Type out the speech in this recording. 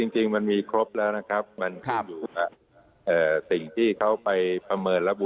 จริงมันมีครบแล้วครับ